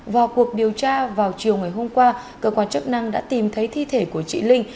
vào cuộc điều tra vào chiều ngày hôm qua cơ quan chức năng đã tìm thấy thi thể của chị linh